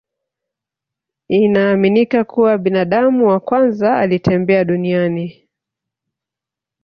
Inaaminika kuwa binadamu wa kwanza alitembea duniani